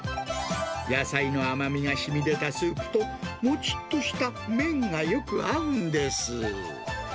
野菜の甘みがしみでたスープと、もちっとした麺がよく合うんです。